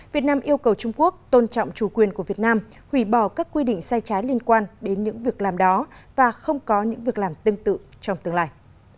việt nam yêu cầu trung quốc tôn trọng chủ quyền của việt nam hủy bỏ các quy định sai trái liên quan đến những việc làm đó và không có những việc làm tương tự trong tương lai